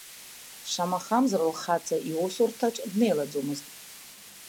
Шамахамзар лхаҵа иусурҭаҿ днеилаӡомызт.